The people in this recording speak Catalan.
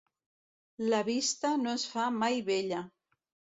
La vista no es fa mai vella.